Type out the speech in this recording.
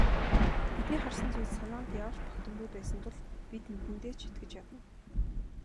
Бидний харсан зүйл санаанд яавч багтамгүй байсан тул бид нүдэндээ ч итгэж ядна.